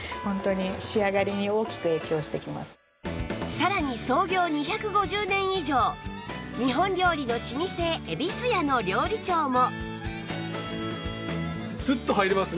さらに創業２５０年以上日本料理の老舗ゑびす家の料理長も